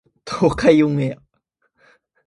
東海オンエア